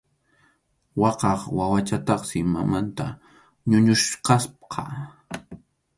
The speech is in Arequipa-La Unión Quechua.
Waqaq wawachataqsi mamanta ñuñuchkasqa.